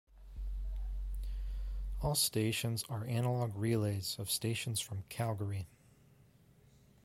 All stations are analogue relays of stations from Calgary.